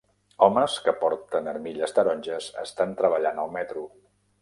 Homes que porten armilles taronges estan treballant al metro